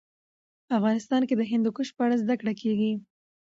افغانستان کې د هندوکش په اړه زده کړه کېږي.